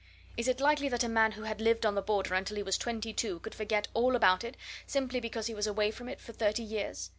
Is it likely that a man who had lived on the Border until he was two and twenty could forget all about it, simply because he was away from it for thirty years?